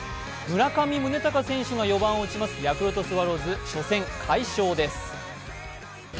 村上宗隆選手が４番を打ちますヤクルトスワローズ、初戦快勝です